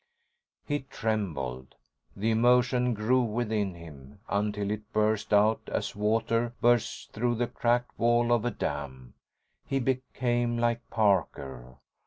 He trembled. The emotion grew within him until it burst out as water bursts through the cracked wall of a dam. He became like Parker.